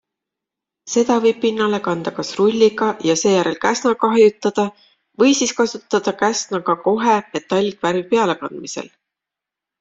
Seda võib pinnale kanda kas rulliga ja seejärel käsnaga hajutada või siis kasutada käsna ka kohe metallikvärvi pealekandmisel.